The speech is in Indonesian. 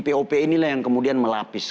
pop inilah yang kemudian melapis